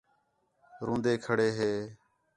روندے کھڑے ہے